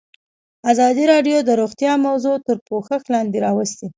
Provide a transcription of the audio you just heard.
ازادي راډیو د روغتیا موضوع تر پوښښ لاندې راوستې.